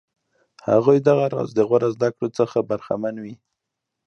هغوی دغه راز د غوره زده کړو څخه برخمن وي.